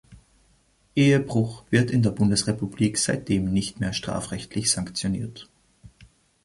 Ehebruch wird in der Bundesrepublik seitdem nicht mehr strafrechtlich sanktioniert.